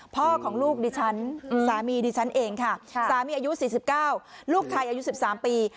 พ่อของลูกดิฉันสามีดิฉันเองค่ะสามีอายุ๔๙ลูกไทยอายุ๑๓ปี